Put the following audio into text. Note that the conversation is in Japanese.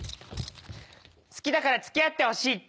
「好きだから付き合ってほしい」って。